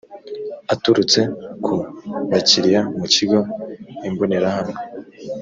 aturutse ku bakiriya mu kigo imbonerahamwe